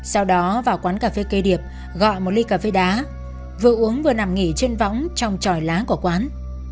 sau đó vào quán cà phê cây điệp gọi một ly cà phê đá vừa uống vừa nằm nghỉ trên võng trong tròi lá của quán